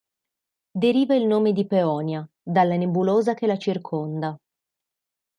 Deriva il nome di "Peonia" dalla nebulosa che la circonda.